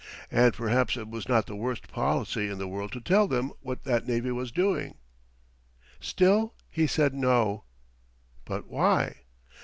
And perhaps it was not the worst policy in the world to tell them what that navy was doing. Still he said No. But why?